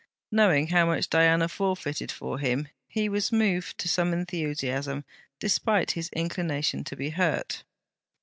Knowing how much Diana forfeited for him, he was moved to some enthusiasm, despite his inclination to be hurt.